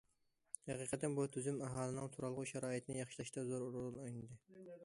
ھەقىقەتەن بۇ تۈزۈم ئاھالىنىڭ تۇرالغۇ شارائىتىنى ياخشىلاشتا زور رول ئوينىدى.